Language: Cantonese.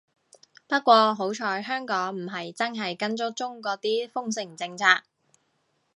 不過好彩香港唔係真係跟足中國啲封城政策